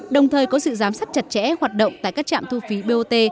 đồng thời có sự giám sát chặt chẽ hoạt động tại các trạm thu phí bot